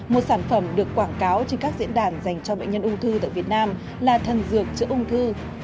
một sản phẩm được quảng cáo trên các diễn đàn dành cho bệnh nhân ung thư tại việt nam là thần dược chữa ung thư